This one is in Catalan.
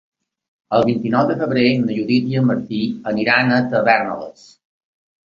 El vint-i-nou de febrer na Judit i en Martí aniran a Tavèrnoles.